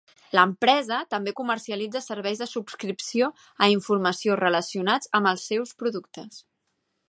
L'empresa també comercialitza serveis de subscripció a informació relacionats amb els seus productes.